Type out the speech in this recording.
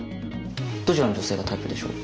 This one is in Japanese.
どちらの女性がタイプでしょう？